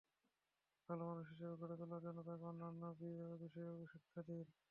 ভালো মানুষ হিসেবে গড়ে তোলার জন্য তাকে অন্যান্য বিষয়েও শিক্ষা দিন।